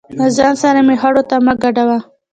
له ځان سره مې خړو ته مه ګډوه.